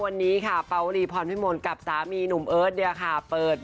วันนี้ค่ะปาวรีพรพิมพลกับสามีหนุ่มเอิ้นเดียค่ะ